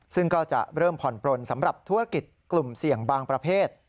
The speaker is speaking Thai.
ซึ่งก็จะเริ่มผ่อนปลนสำหรับธุรกิจกลุ่มเสี่ยงบางประเภท